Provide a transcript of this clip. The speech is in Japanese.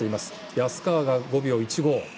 安川が５秒１５。